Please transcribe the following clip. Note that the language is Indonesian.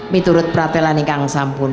menurut peratelan yang sampun